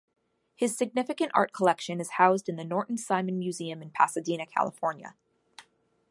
His significant art collection is housed in the Norton Simon Museum in Pasadena, California.